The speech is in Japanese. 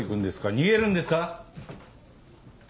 逃げるんですか？